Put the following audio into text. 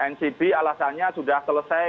ncb alasannya sudah selesai